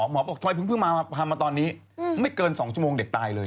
หมอบอกทำไมเพิ่งเพิ่งมาพามาตอนนี้อืมไม่เกินสองชั่วโมงเด็กตายเลย